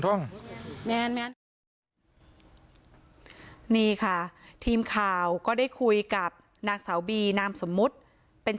แมนนี่ค่ะทีมข่าวก็ได้คุยกับนางสาวบีนามสมมุติเป็น